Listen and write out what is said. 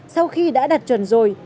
sau khi đã đặt chuẩn rồi